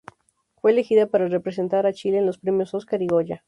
Fue elegida para representar a Chile en los premios Óscar y Goya.